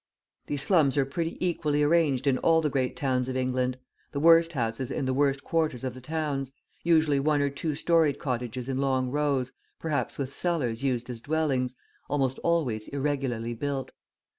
These slums are pretty equally arranged in all the great towns of England, the worst houses in the worst quarters of the towns; usually one or two storied cottages in long rows, perhaps with cellars used as dwellings, almost always irregularly built.